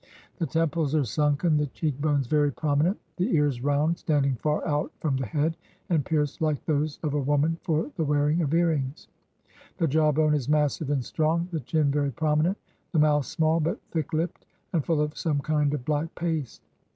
The temples are sunken; the cheek bones very prominent; the ears round, standing far out from the head, and pierced like those of a woman for the wearing of earrings. The jaw bone is massive and strong; the chin very prominent; the mouth small, but thick lipped, and full of some kind of black paste.